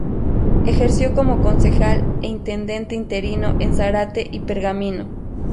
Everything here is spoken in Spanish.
Ejerció como concejal e intendente interino en Zárate y Pergamino.